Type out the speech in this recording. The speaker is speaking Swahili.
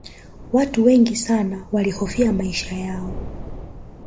watu wengi sana walihofia maisha yao